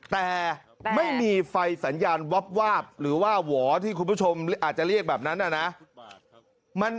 แต่ไม่มีไฟสัญญาณวับวาบหรือว่าหวอที่คุณผู้ชมอาจจะเรียกแบบนั้นนะ